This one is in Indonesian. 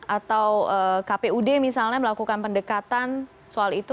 atau kpud misalnya melakukan pendekatan soal itu